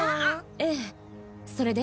ええそれで？